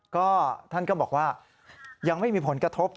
ก็ท่านก็บอกว่ายังไม่มีผลกระทบ